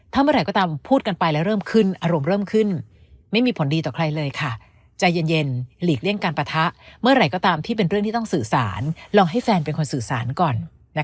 ถ้าเมื่อไหร่ก็ตามพูดกันไปแล้วเริ่มขึ้น